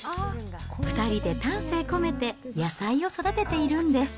２人で丹精込めて野菜を育てているんです。